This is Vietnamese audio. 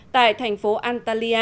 tại thành phố antalya